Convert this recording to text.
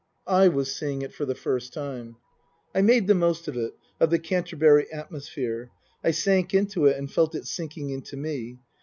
I was seeing it for the first time. I made the most of it, of the Canterbury atmosphere. I sank into it and felt it sinking into me.